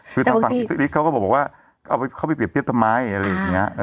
คือทางฝั่งอิสริกเขาก็บอกว่าเอาไปเข้าไปเรียบเทียบทำไมอะไรอย่างนี้